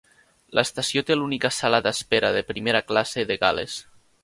L'estació té l'única sala d'espera de primera classe de Gal·les.